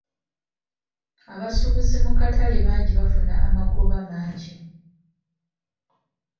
Abasubuzi mu katale bangi bafuna amagoba mangi.